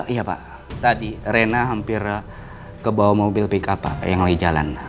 iya pak tadi rena hampir kebawa mobil pick up yang lagi jalan